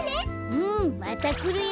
うんまたくるよ。